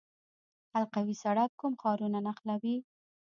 حلقوي سړک کوم ښارونه نښلوي؟